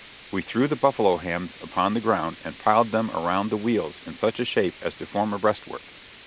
We threw the buffalo hams upon the ground, and piled them around the wheels in such a shape as to form a breastwork.